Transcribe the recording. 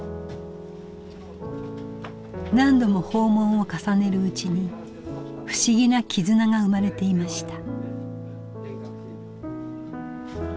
何度も訪問を重ねるうちに不思議な絆が生まれていました。